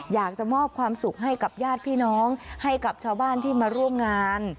อยากจะมอบความสุขให้กับญาติพี่น้องให้กับชาวบ้านที่มาร่วมงาน